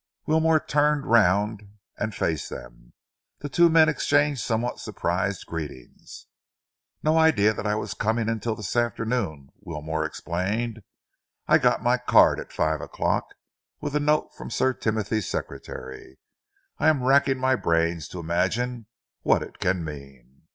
Wilmore turned around and faced them. The two men exchanged somewhat surprised greetings. "No idea that I was coming until this afternoon," Wilmore explained. "I got my card at five o'clock, with a note from Sir Timothy's secretary. I am racking my brains to imagine what it can mean."